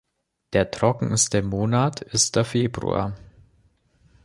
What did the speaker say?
Der trockenste Monat ist der Februar.